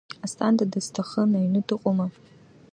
Асҭанда дысҭахын, аҩны дыҟоума?